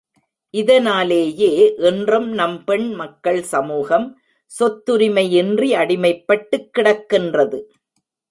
இதனாலேயே, இன்றும் நம் பெண் மக்கள் சமூகம், சொத்துரிமையின்றி அடிமைப்பட்டுக் கிடக்கின்றது.